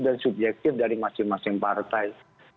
dan subjektif dari masing masing partai